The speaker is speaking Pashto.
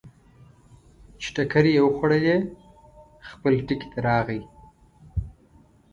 چې ټکرې یې وخوړلې، خپل ټکي ته راغی.